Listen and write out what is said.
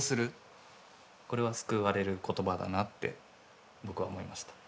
これは救われる言葉だなって僕は思いました。